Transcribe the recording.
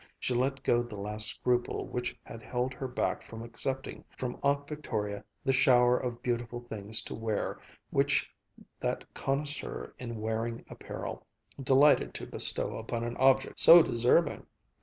She let go the last scruple which had held her back from accepting from Aunt Victoria the shower of beautiful things to wear which that connoisseur in wearing apparel delighted to bestow upon an object so deserving.